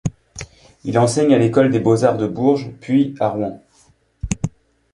Il enseigne à l'école des beaux-arts de Bourges, puis à Rouen.